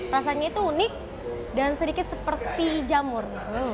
rasanya itu unik dan sedikit seperti jamur